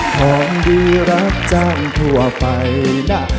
ของดีรับจ้างทั่วไปนะ